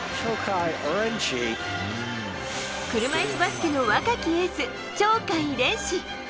車いすバスケの若きエース鳥海連志。